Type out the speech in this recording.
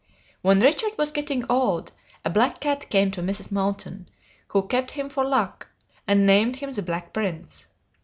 When Richard was getting old, a black cat came to Mrs. Moulton, who kept him "for luck," and named him the Black Prince.